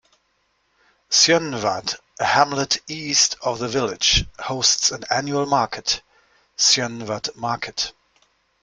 Sjönvad, a hamlet east of the village, hosts an annual market, Sjönevad market.